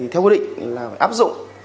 theo quy định là phải áp dụng